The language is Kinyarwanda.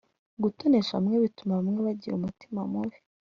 gutonesha bamwe. bituma bamwe bagira umutima mubi